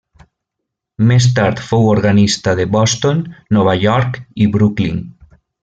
Més tard fou organista de Boston, Nova York i Brooklyn.